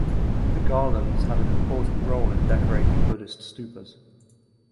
The garlands had an important role in decorating Buddhist stupas.